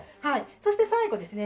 そして最後ですね